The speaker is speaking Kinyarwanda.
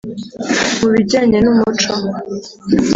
Mu bijyanye n’umuco